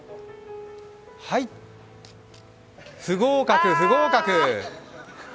不合格、不合格。